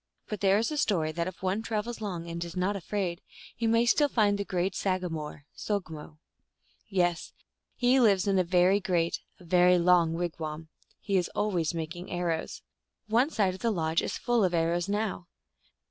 But there is a story that if one travels long, and is not afraid, he may still find the great sagamore (so^mo). Yes. He lives in a very great, a very long wigwam. He always making arrows. One side of the lodge is full of arrows now.